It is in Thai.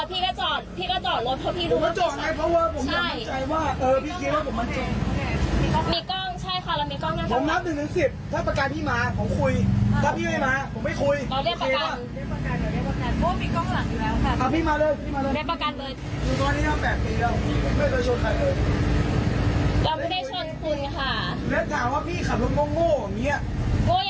เกียรติได้เป็นร้อยที่ไม่ออกตัวเลย